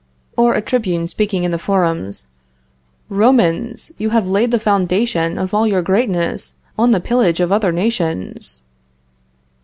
Or a tribune speaking in the forum, "Romans! you have laid the foundation of all your greatness on the pillage of other nations."